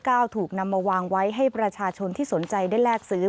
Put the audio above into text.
ถูกนำมาวางไว้ให้ประชาชนที่สนใจได้แลกซื้อ